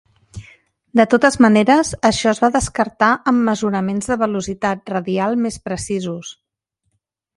De totes maneres, això es va descartar amb mesuraments de velocitat radial més precisos.